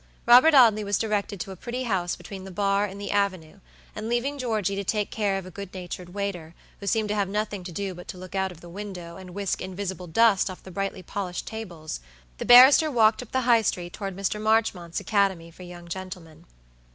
Robert Audley was directed to a pretty house between the Bar and the Avenue, and leaving Georgey to the care of a good natured waiter, who seemed to have nothing to do but to look out of the window, and whisk invisible dust off the brightly polished tables, the barrister walked up the High street toward Mr. Marchmont's academy for young gentlemen.